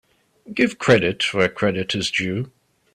Give credit where credit is due.